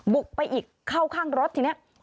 บุกไปอีกเข้าข้างรถทีนี้